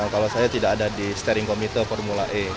kalau saya tidak ada di steering komite formula e